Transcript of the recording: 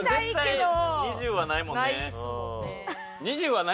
絶対２０はないもんね。